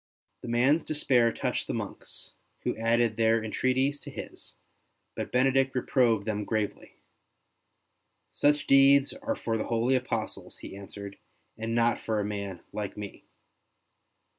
The man's despair touched the monks, who added their entreaties to his, but Benedict reproved them gravely. '' Such deeds are for the holy Apostles," he answered, '' and not for a man like me."